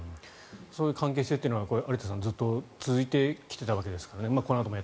そういう関係性というのは有田さんずっと続いてきたわけですよね。